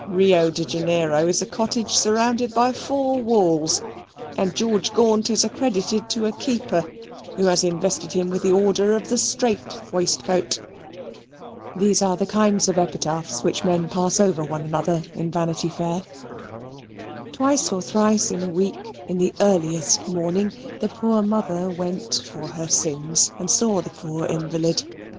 Rio de Janeiro is a cottage surrounded by four walls, and George Gaunt is accredited to a keeper, who has invested him with the order of the Strait Waistcoat." These are the kinds of epitaphs which men pass over one another in Vanity Fair. Twice or thrice in a week, in the earliest morning, the poor mother went for her sins and saw the poor invalid.